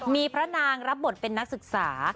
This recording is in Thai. มีพระนางรับบทเป็นนักศึกษา